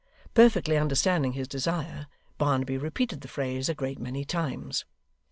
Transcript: Perfectly understanding his desire, Barnaby repeated the phrase a great many times.